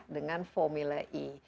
dengan formula e